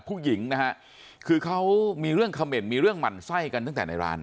ผู้หญิงนะฮะคือเขามีเรื่องเขม่นมีเรื่องหมั่นไส้กันตั้งแต่ในร้าน